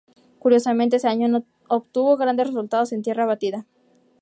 Curiosamente ese año no obtuvo grandes resultados en tierra batida.